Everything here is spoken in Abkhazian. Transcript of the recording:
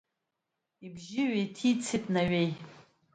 Ибжьы ҩҭицеит Наҩеи.